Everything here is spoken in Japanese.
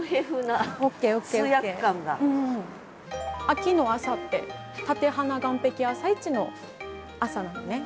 秋の朝って館鼻岸壁朝市の朝なのね。